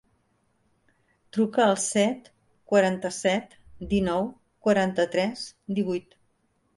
Truca al set, quaranta-set, dinou, quaranta-tres, divuit.